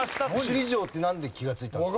首里城ってなんで気がついたんですか？